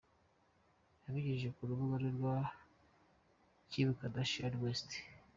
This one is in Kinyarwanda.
Abinyujije ku rubuga rwe rwa kimkardashianwest.